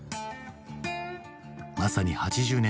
まさに８０年代。